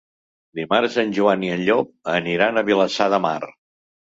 Dimarts en Joan i en Llop aniran a Vilassar de Mar.